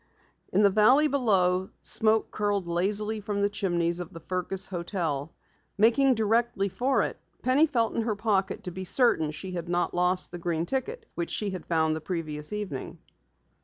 In the valley below, smoke curled lazily from the chimneys of the Fergus hotel. Making directly for it, Penny felt in her pocket to be certain she had not lost the green ticket which she had found the previous evening.